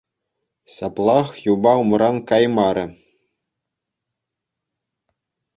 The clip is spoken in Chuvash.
Ҫаплах юпа умран каймарӗ.